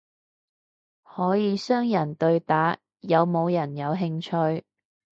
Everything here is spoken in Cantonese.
可以雙人對打，有冇人有興趣？